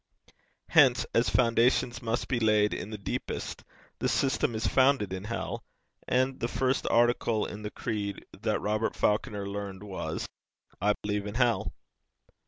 Hence, as foundations must be laid in the deepest, the system is founded in hell, and the first article in the creed that Robert Falconer learned was, 'I believe in hell.'